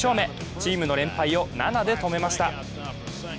チームの連敗を７で止めました。